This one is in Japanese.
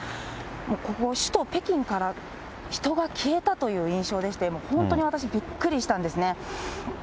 ここ、首都北京から人が消えたという印象でして、本当に私、びっくりしたんですね。